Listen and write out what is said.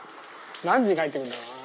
何時に帰ってくるんだろうな？